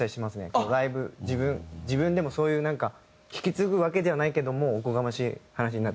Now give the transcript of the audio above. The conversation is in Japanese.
ライブ自分でもそういうなんか引き継ぐわけではないけどもおこがましい話になっちゃうから。